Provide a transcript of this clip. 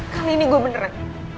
kali ini gue beneran